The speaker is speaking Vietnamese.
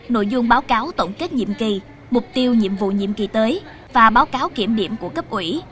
nội dung báo cáo tổng kết nhiệm kỳ mục tiêu nhiệm vụ nhiệm kỳ tới và báo cáo kiểm điểm của cấp ủy